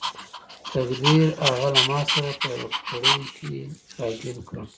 تقدیر هغه له ماسره په یوه کړۍ کې راګیر کړ.